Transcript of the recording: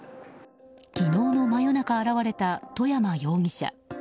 昨日の真夜中現れた、外山容疑者。